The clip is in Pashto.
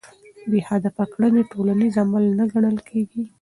بې هدفه کړنې ټولنیز عمل نه ګڼل کېږي.